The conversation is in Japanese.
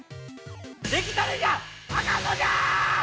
できたてじゃあかんのじゃ！